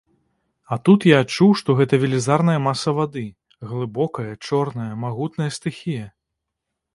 А тут я адчуў, што гэта велізарная маса вады, глыбокая, чорная, магутная стыхія.